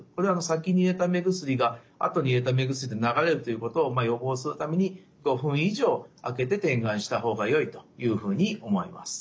先に入れた目薬が後に入れた目薬で流れるということを予防するために５分以上あけて点眼した方がよいというふうに思います。